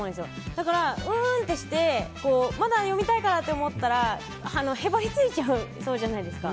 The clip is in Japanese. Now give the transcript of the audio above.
だから、うーんってしてまだ読みたいかなって思ったらへばりついちゃいそうじゃないですか。